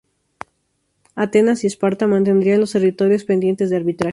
Atenas y Esparta mantendrían los territorios pendientes de arbitraje.